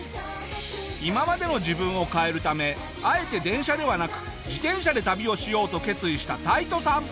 今までの自分を変えるためあえて電車ではなく自転車で旅をしようと決意したタイトさん。